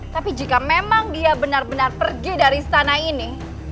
tapi jika memang dia benar benar pergi dari istana ini